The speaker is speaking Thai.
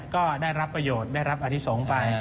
ก็ได้รับประโยชน์ได้รับอธิสงฆ์ไป